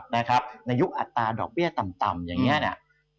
ในยุคอัตราดอกเบี้ยต่ำอย่างนี้เนี่ย